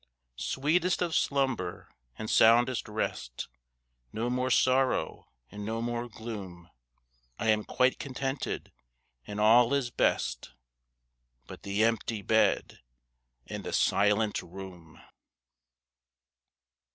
Sweetest of slumber, and soundest rest, No more sorrow, and no more gloom. I am quite contented, and all is best, But the empty bed and the silent room!